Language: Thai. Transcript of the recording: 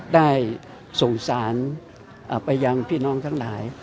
ได้ส่งสารไปยังพี่น้องทั้งหลาย